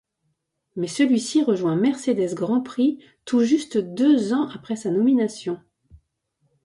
Mais celui-ci rejoint Mercedes Grand Prix tout juste deux ans après sa nomination.